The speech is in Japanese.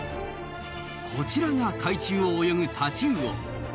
こちらが海中を泳ぐタチウオ。